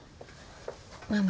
ママ。